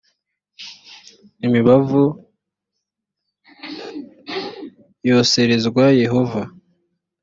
imibavu yoserezwa yehova